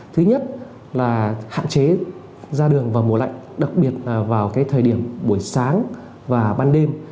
thứ nhất là hạn chế ra đường vào mùa lạnh đặc biệt là vào thời điểm buổi sáng và ban đêm